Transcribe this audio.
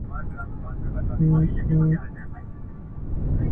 ځان د بل لپاره سوځول زده کړو!!